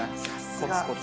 コツコツ。